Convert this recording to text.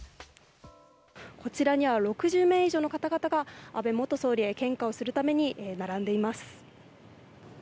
こちらには６０名以上の方々が安倍元総理へ献花をするために並んでいます。